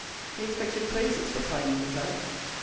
He expected praises for finding this out.